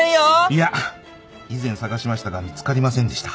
いや以前捜しましたが見つかりませんでした。